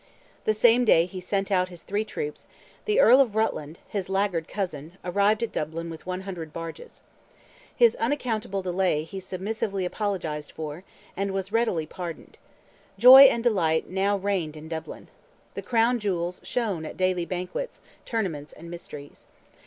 The same day he sent out his three troops, the Earl of Rutland, his laggard cousin, arrived at Dublin with 100 barges. His unaccountable delay he submissively apologized for, and was readily pardoned. "Joy and delight" now reigned in Dublin. The crown jewels shone at daily banquets, tournaments, and mysteries.